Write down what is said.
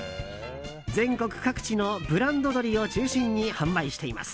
全国各地のブランド鶏を中心に販売しています。